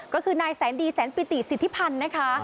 ก็คือนายแสนดีแสนปิติสิทธิพันธ์นะคะ